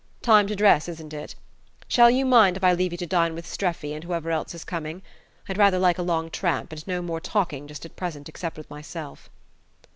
"Time to dress, isn't it? Shall you mind if I leave you to dine with Streffy, and whoever else is coming? I'd rather like a long tramp, and no more talking just at present except with myself."